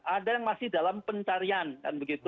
ada yang masih dalam pencarian kan begitu